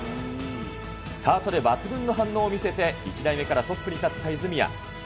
スタートで抜群の反応を見せて、１台目からトップに立った泉谷。